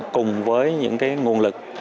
cùng với những cái nguồn lực này